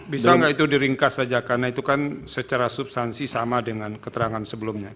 bisa nggak itu diringkas saja karena itu kan secara substansi sama dengan keterangan sebelumnya